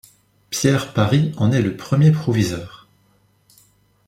Pierre Paris en est le premier proviseur.